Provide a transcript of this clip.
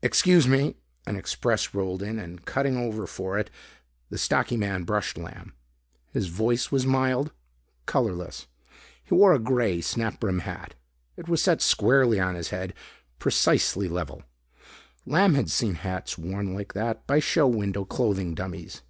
"Ex cuse me." An express rolled in and cutting over for it, the stocky man brushed Lamb. His voice was mild, colorless. He wore a gray snap brim hat; it was set squarely on his head, precisely level. Lamb had seen hats worn like that by show window clothing dummies.